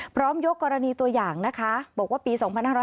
ยกกรณีตัวอย่างนะคะบอกว่าปี๒๕๖๐